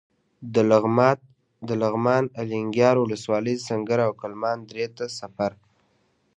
د لغمان الینګار ولسوالۍ سنګر او کلمان درې ته سفر.